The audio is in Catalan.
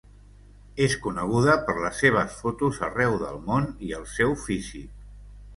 És coneguda per les seves fotos arreu del món i el seu físic.